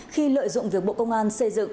khi lợi dụng việc bộ công an xây dựng